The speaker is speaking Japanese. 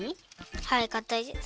はいかたいです。